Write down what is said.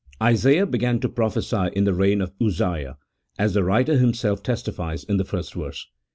Isaiah began to prophecy in the reign of Uzziah, as the writer himself testifies in the first verse.